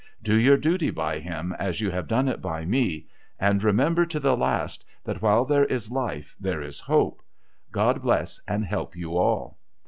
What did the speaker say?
Do your duty by him, as you have done it by me ; and remember to the last, that while there is life there is hope. God bless and help you all